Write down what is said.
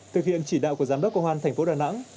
thực hiện chỉ đạo của giám đốc công an thành phố đà nẵng